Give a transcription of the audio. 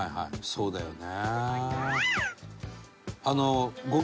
そうだよね。